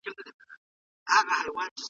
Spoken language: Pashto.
د اسلام دین د حق او رښتیا دین دی.